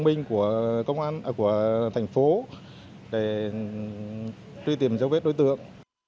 và xóa các đối tượng